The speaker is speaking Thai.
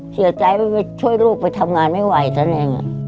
เสียใจไม่ช่วยลูกไปทำงานไม่ไหวตัวเนี่ย